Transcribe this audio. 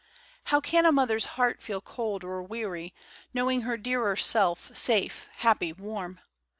How can a Mother's heart feel cold or weary Knowing her dearer self safe, happy, warm